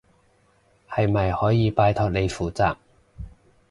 係咪可以拜託你負責？